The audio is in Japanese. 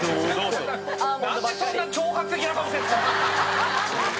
なんでそんな挑発的な顔してんすか。